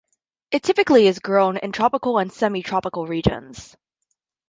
It typically is grown in tropical and semi-tropical regions.